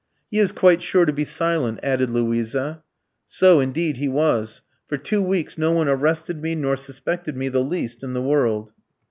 "'He is quite sure to be silent,' added Luisa. "So, indeed, he was. For two weeks no one arrested me nor suspected me the least in the world.